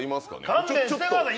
勘弁してください。